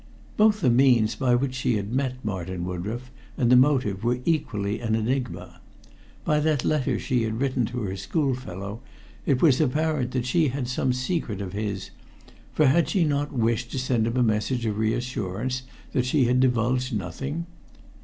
Both the means by which she had met Martin Woodroffe and the motive were equally an enigma. By that letter she had written to her schoolfellow it was apparent that she had some secret of his, for had she not wished to send him a message of reassurance that she had divulged nothing?